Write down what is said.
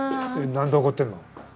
なんで怒ってんの？